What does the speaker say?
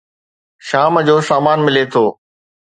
شام جو سامان ملي ٿو.